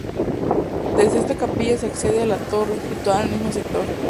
Desde esta capilla se accede a la torre, situada en el mismo sector.